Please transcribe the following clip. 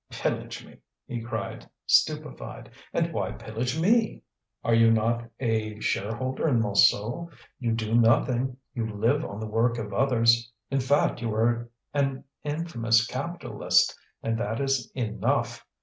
"Pillage me!" he cried, stupefied. "And why pillage me?" "Are you not a shareholder in Montsou! You do nothing; you live on the work of others. In fact you are an infamous capitalist, and that is enough.